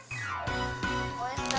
おいしそう。